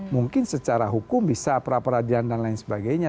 mungkin secara hukum bisa pra peradilan dan lain sebagainya